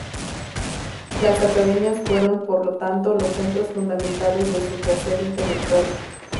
Las academias fueron, por lo tanto, los centros fundamentales de su quehacer intelectual.